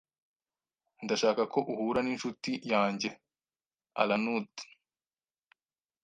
Ndashaka ko uhura n'inshuti yanjye. alanood)